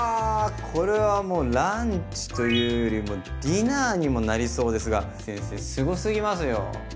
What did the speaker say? これはもうランチというよりもうディナーにもなりそうですが先生すごすぎますよ。